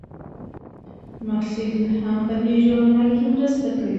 محصلین هم په دې ژورنال کې مرسته کوي.